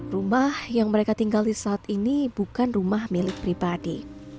rumah yang mereka tinggal di saat ini bukan rumah milik pribadi